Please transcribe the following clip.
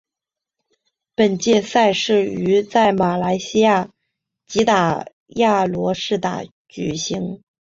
本届赛事于在马来西亚吉打亚罗士打举行。